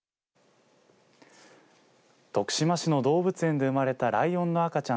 徳島市の動物園で生まれたライオンの赤ちゃん